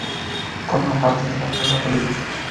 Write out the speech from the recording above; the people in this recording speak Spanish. Forma parte de la saga "Driver".